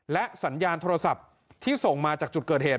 และสัญญาณโทรศัพท์ที่ส่งมาจากจุดเกิดเหตุ